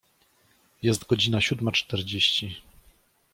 Jest godzina siódma czterdzieści.